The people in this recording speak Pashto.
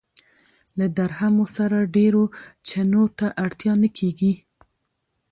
له درهمو سره ډېرو چنو ته اړتیا نه کېږي.